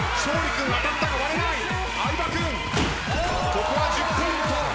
ここは１０ポイント。